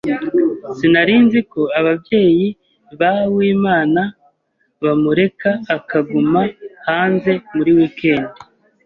Sinari nzi ko ababyeyi ba Uwimana bamureka akaguma hanze muri wikendi.